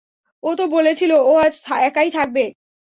ও তো বলেছিলো, ও আজ একাই থাকবে।